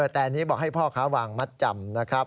แต่อันนี้บอกให้พ่อค้าวางมัดจำนะครับ